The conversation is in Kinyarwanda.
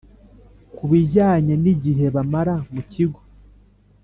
Ku bijyanye n igihe bamara mu kigo